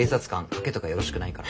賭けとかよろしくないから。